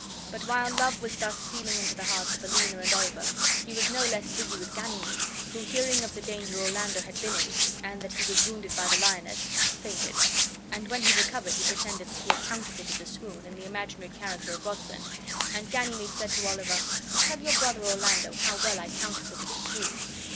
But while love was thus stealing into the hearts of Aliena and Oliver, he was no less busy with Ganymede, who, hearing of the danger Orlando had been in, and that he was wounded by the lioness, fainted; and when he recovered he pretended that he had counterfeited the swoon in the imaginary character of Rosalind, and Ganymede said to Oliver: "Tell your brother Orlando how well I counterfeited a swoon."